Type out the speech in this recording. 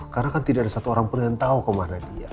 karena kan tidak ada satu orang pun yang tahu kemana dia